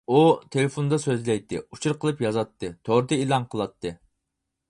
ئۇ تېلېفوندا سۆزلەيتتى، ئۇچۇر قىلىپ يازاتتى، توردا ئېلان قىلاتتى.